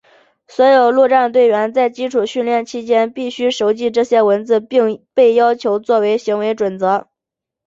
所有陆战队员在基础训练期间便必须熟记这些文字并被要求作为行为准则。